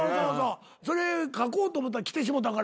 それ書こうと思ったら来てしもたからやな。